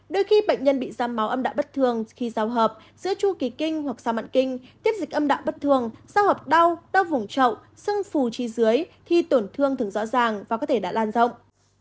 đôi khi bệnh nhân bị ra máu âm đạo bất thường khi giao hợp giữa chu kỳ kinh hoặc sau mận kinh tiết dịch âm đạo bất thường giao hợp đau vùng trậu sưng phù chi dưới thì tổn thương thường rõ ràng và có thể đã lan rộng